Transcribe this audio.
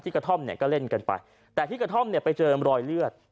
กระท่อมเนี่ยก็เล่นกันไปแต่ที่กระท่อมเนี่ยไปเจอรอยเลือด